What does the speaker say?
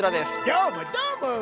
どーも、どーも！